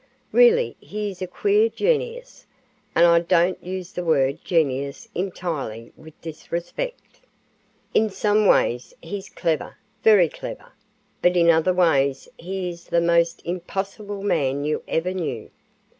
Really he is a queer genius, and I don't use the word genius entirely with disrespect. In some ways he's clever, very clever, but in other ways he is the most impossible man you ever knew.